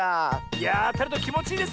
いやああたるときもちいいですね